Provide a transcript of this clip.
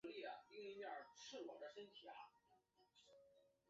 戊戌选试并非真正意义的科举取士。